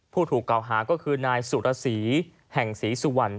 ผู้ถูกเก่าหาก็คือนายสุรสีแห่งศรีสุวรรณ